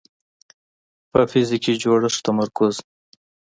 په فزیکي جوړښت تمرکز